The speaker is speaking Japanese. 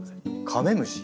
カメムシ？